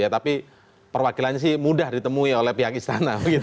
tapi perwakilannya sih mudah ditemui oleh pihak istana